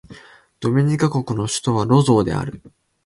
ドミニカ国の首都はロゾーである